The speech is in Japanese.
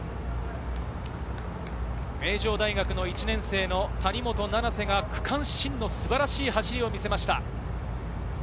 名城大学の１年生の谷本七星が区間新の素晴らしい走りを見せました。